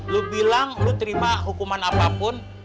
lu bilang lo terima hukuman apapun